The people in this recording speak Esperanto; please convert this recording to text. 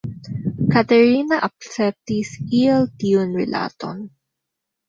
Katerina akceptis iel tiun rilaton.